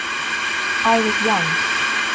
I was young.